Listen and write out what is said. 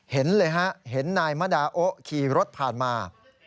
เห็นเลยฮะเห็นนายมดาโอ๊ขี่รถผ่านมา